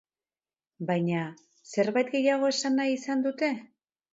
Baina, zerbait gehiago esan nahi izan dute?